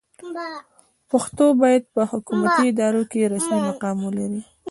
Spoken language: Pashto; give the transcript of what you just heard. پښتو باید په حکومتي ادارو کې رسمي مقام ولري.